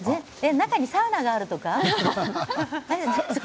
中にサウナがあるとか？